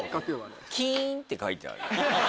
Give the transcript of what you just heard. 「キーン」って書いてある。